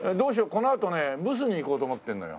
このあとねブスに行こうと思ってんのよ。